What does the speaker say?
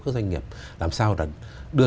với doanh nghiệp làm sao để đưa